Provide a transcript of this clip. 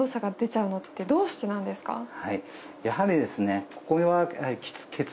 やはりですね